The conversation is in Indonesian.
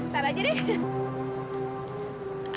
tadah aja deh